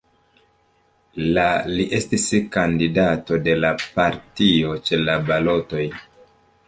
La li estis kandidato de la partio ĉe la balotoj.